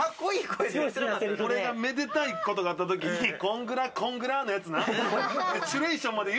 めでたいことがあった時に、コングラコングラのやつな。